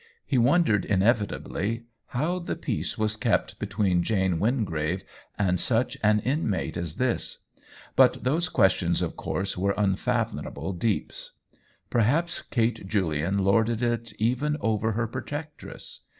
He wondered inevit ably how the peace was kept between Jane Wingrave and such an inmate as this ; but those questions of course were unfathom able deeps. Perhaps Kate Julian lorded it even over her protectress.